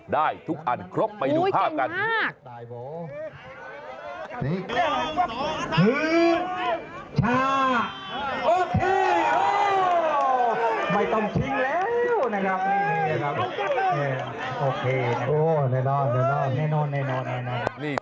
ได้ทุกอันครบไปดูภาพกันโอ้โฮใกล้มาก